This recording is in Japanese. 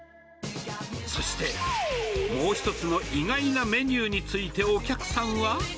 そして、もう一つの意外なメニューについて、お客さんは。